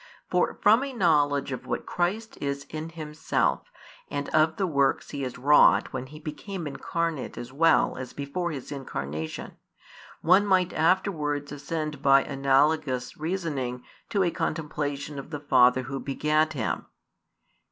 For from a knowledge of what Christ is in Himself, and of the works He has wrought when He became Incarnate as well as before His Incarnation, one might afterwards ascend by analogous reasoning to a contemplation of the Father Who begat Him.